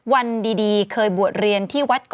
ไปเล่นวิดีโอคุณนูมนั่นนี่ไงเห็นไหมล่ะ